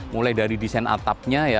mulai dari desain atapnya ya